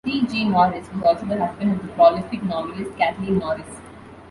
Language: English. C. G. Norris was also the husband of the prolific novelist Kathleen Norris.